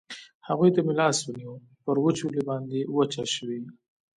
هغوی ته مې لاس ونیو، پر وچولې باندې وچه شوې.